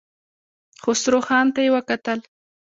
خسرو خان ته يې وکتل.